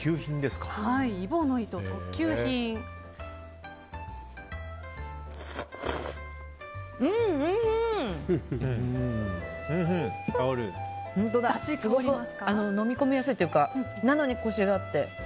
すごくのみ込みやすいというかなのにコシがあって。